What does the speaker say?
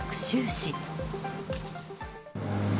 市。